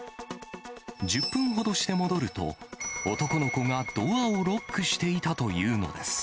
１０分ほどして戻ると、男の子がドアをロックしていたというのです。